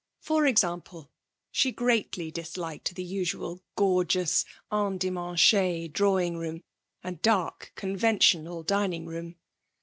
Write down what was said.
For example, she greatly disliked the usual gorgeous endimanché drawing room and dark conventional dining room.